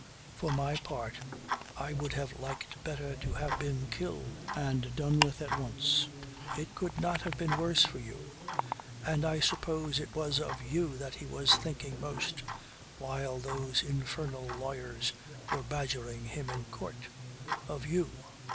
For my part I would have liked better to have been killed and done with at once. It could not have been worse for you and I suppose it was of you that he was thinking most while those infernal lawyers were badgering him in court. Of you.